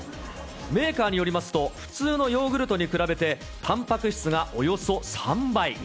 メーカーによりますと、普通のヨーグルトに比べて、たんぱく質がおよそ３倍。